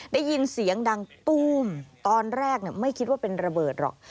ได้ยินเสียงดังตู้มตอนแรกไม่คิดว่าเป็นระเบิดหรอก